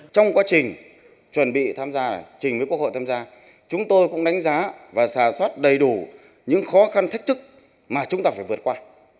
trong quá trình chuẩn bị tham gia trình với quốc hội tham gia chúng tôi cũng đánh giá và xà xoát đầy đủ những khó khăn thách thức mà chúng ta phải vượt qua